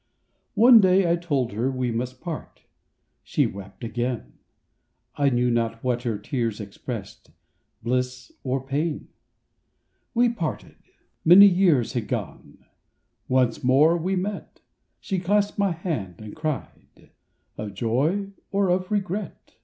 One day I told her we must part— She wept again; I knew not what her tears expressed— Bliss or pain. We parted. Many years had gone; Once more we met; She clasped my hand and cried—of, joy Or of regret ?